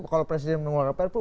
kalau presiden mengeluarkan prpu